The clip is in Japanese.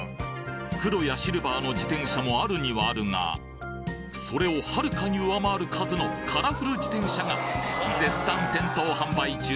黒やシルバーの自転車もあるにはあるがそれを遥かに上回る数のカラフル自転車が絶賛店頭販売中